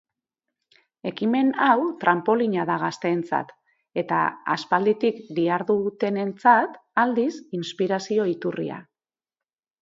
Ekimen hau tranpolina da gazteentzat eta aspalditik dihardutenentzat, aldiz, inspirazio iturria.